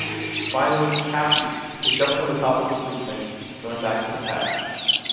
Finally, happy, they jump from the top of the precinct, going back to the past.